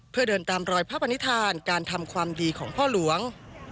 เพื่อเดินตามรอยพระปณิธานการทำความดีของพ่อหลวง